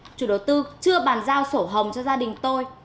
ba năm rồi chủ đầu tư chưa bàn giao sổ hồng cho gia đình tôi